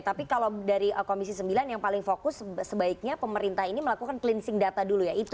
tapi kalau dari komisi sembilan yang paling fokus sebaiknya pemerintah ini melakukan cleansing data dulu ya